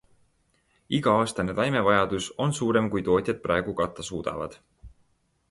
Iga-aastane taimevajadus on suurem, kui tootjad praegu katta suudavad.